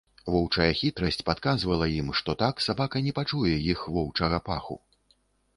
Воўчая хітрасць падказвала ім, што так сабака не пачуе іх воўчага паху.